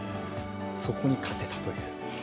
そこに勝てたという。